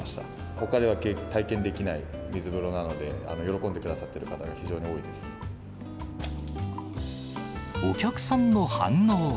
ほかでは体験できない水風呂なので、喜んでくださっている方が非お客さんの反応は。